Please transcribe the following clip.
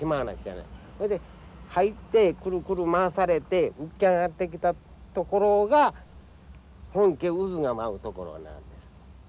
それで入ってくるくる回されて浮き上がってきたところがほんけ渦が舞うところなんです。